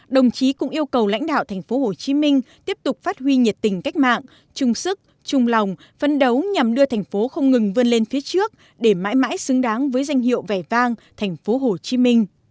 đồng chí cũng yêu cầu lãnh đạo tp hcm tiếp tục phát huy nhiệt tình cách mạng trung sức trung lòng phấn đấu nhằm đưa tp hcm không ngừng vươn lên phía trước để mãi mãi xứng đáng với danh hiệu vẻ vang tp hcm